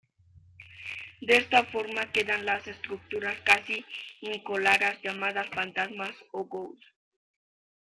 De esta forma quedan las estructuras casi incoloras llamadas "fantasmas" o "ghosts".